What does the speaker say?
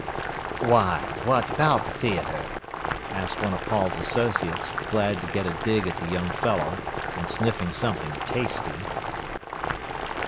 "Why, what about th' theatre?" asked one of Paul's associates, glad to get a dig at the young fellow, and sniffing something tasty.